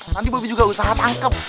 nanti bobby juga usaha tangkep